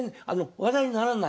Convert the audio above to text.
話題にならない？